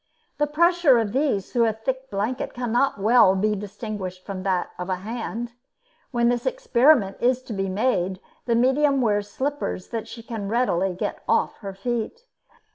The pressure of these, through a thick blanket, cannot well be distinguished from that of a hand. When this experiment is to be made, the medium wears slippers that she can readily get off her feet.